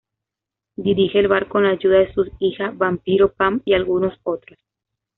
Dirige el bar con la ayuda de sus hija vampiro Pam y algunos otros.